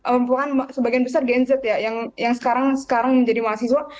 perempuan sebagian besar gen z ya yang sekarang menjadi mahasiswa